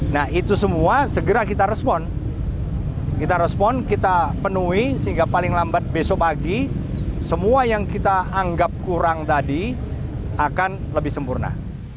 nah itu semua segera kita respon kita respon kita penuhi sehingga paling lambat besok pagi semua yang kita anggap kurang tadi akan lebih sempurna